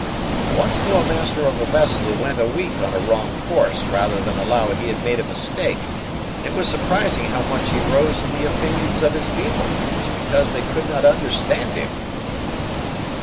I once knew a master of a vessel who went a week on a wrong course rather than allow he had made a mistake; and it was surprising how much he rose in the opinions of his people, just because they could not understand him."